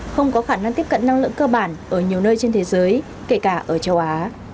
không có khả năng tiếp cận năng lượng cơ bản ở nhiều nơi trên thế giới kể cả ở châu á